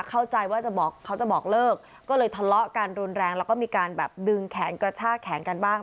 เข้าใจว่าจะบอกเขาจะบอกเลิกก็เลยทะเลาะกันรุนแรงแล้วก็มีการแบบดึงแขนกระชากแขนกันบ้าง